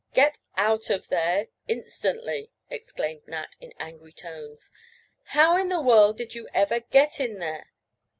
"Get out of there instantly," exclaimed Nat, in angry tones. "How in the world did you ever get in there?"